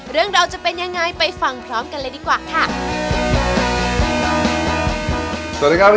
เรื่องราวจะเป็นยังไงไปฟังพร้อมกันเลยดีกว่าค่ะ